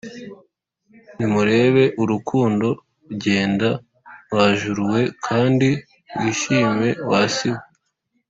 “Nimurebe urukundo.” Genda, wa juru we! Kandi wishime, wa si we